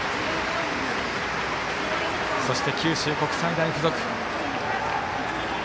そして、九州国際大付属。